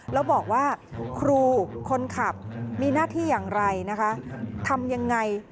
แล้วบอกว่าครูคนขับมีหน้าที่อย่างไรนะคะทำยังไง